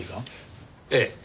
ええ。